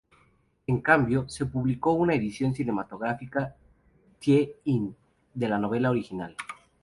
En cambio, se publicó una edición cinematográfica "tie-in" de la novela original.